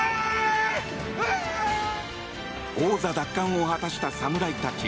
王座奪還を果たした侍たち。